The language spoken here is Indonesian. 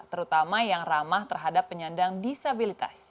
terutama yang ramah terhadap penyandang disabilitas